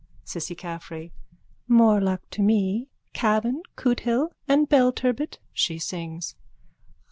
CISSY CAFFREY: More luck to me. Cavan, Cootehill and Belturbet. _(She sings.)